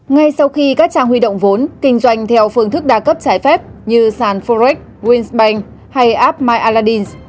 ngay sau khi các trang huy động vốn kinh doanh theo phương thức đa cấp trái phép như sanforex winsbank hay app myaladdin